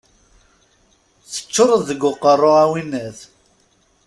Teččureḍ deg uqerru, a winnat!